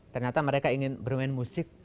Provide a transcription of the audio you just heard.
ternyata mereka ingin bermain musik